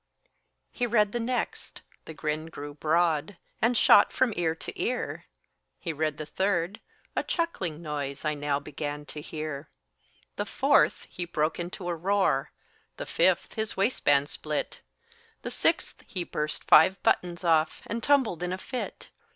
He read the next; the grin grew broad, And shot from ear to ear; He read the third; a chuckling noise I now began to hear. The fourth; he broke into a roar; The fifth; his waistband split; The sixth; he burst five buttons off, And tumbled in a fit.